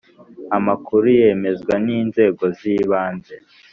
Amakuru yemezwa n’inzego z’ibanze